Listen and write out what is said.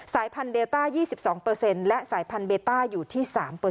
พันธุเดลต้า๒๒และสายพันธุเบต้าอยู่ที่๓